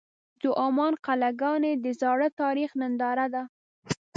د عمان قلعهګانې د زاړه تاریخ ننداره ده.